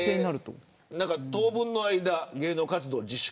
当分の間、芸能活動自粛。